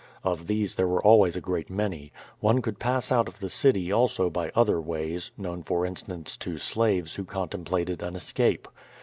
Of these there were always a great many. One could pass out of the city also by other ways, known for instance to slaves who contemplated an escape.